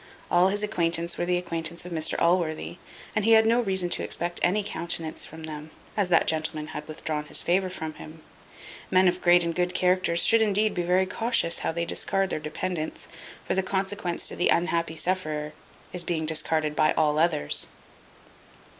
All his acquaintance were the acquaintance of Mr Allworthy; and he had no reason to expect any countenance from them, as that gentleman had withdrawn his favour from him. Men of great and good characters should indeed be very cautious how they discard their dependents; for the consequence to the unhappy sufferer is being discarded by all others.